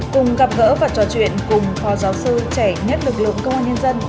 cùng gặp gỡ và trò chuyện cùng phó giáo sư trẻ nhất lực lượng công an nhân dân